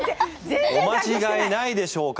お間違えないでしょうか？